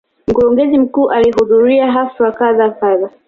Mkurugenzi mkuu alihudhuria hafla kadha wa kadha.